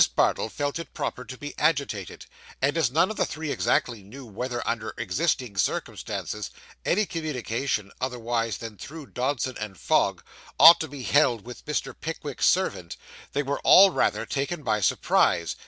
Bardell felt it proper to be agitated; and as none of the three exactly knew whether under existing circumstances, any communication, otherwise than through Dodson & Fogg, ought to be held with Mr. Pickwick's servant, they were all rather taken by surprise.